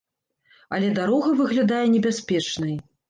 Але дарога выглядае небяспечнай.